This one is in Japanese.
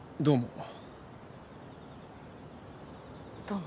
どうも。